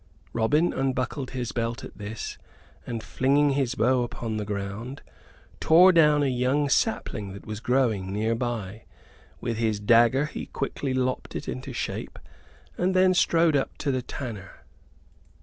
Robin unbuckled his belt at this; and, flinging his bow upon the ground, tore down a young sapling that was growing near by. With his dagger he quickly lopped it into shape; and then strode up to the tanner.